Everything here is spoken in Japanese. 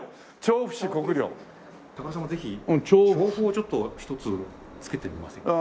高田さんもぜひ調布をちょっと１つつけてみませんか？